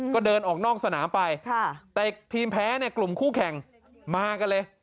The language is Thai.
ก็เดินออกนอกสนามไปแต่ทีมแพ้เนี่ยกลุ่มคู่แข่งมากันเลย